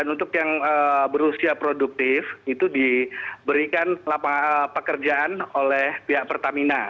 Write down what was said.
untuk yang berusia produktif itu diberikan pekerjaan oleh pihak pertamina